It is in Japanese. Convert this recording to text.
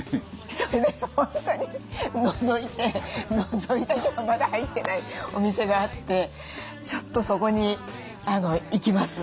それで本当にのぞいてのぞいたけどまだ入ってないお店があってちょっとそこに行きます。